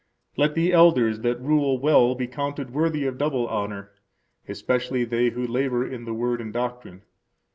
Let the elders that rule well be counted worthy of double honor, especially they who labor in the Word and doctrine.